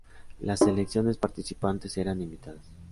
Las selecciones participantes eran invitadas.